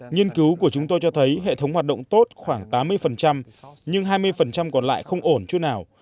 nhiên cứu của chúng tôi cho thấy hệ thống hoạt động tốt khoảng tám mươi nhưng hai mươi còn lại không ổn chút nào